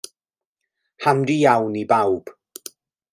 Handi iawn i bawb.